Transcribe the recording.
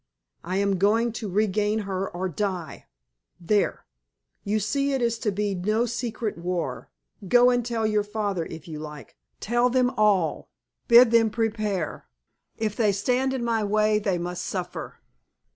I am going to regain her or die! There! You see it is to be no secret war; go and tell your father if you like, tell them all, bid them prepare. If they stand in my way they must suffer.